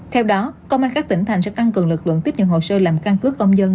theo đó công an các tỉnh thành sẽ tăng cường lực lượng tiếp nhận hồ sơ làm căn cứ công dân